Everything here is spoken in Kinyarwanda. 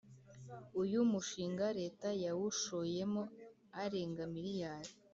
uyu mushinga leta yawushoyemo arenga miliyari